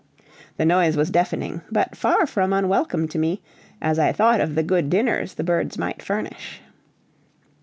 The noise was deafening, but far from unwelcome to me, as I thought of the good dinners the birds might furnish.